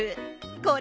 これ。